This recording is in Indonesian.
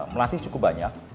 melatih cukup banyak